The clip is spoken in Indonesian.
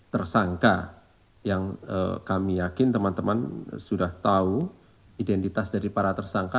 tersangka yang kami yakin teman teman sudah tahu identitas dari para tersangka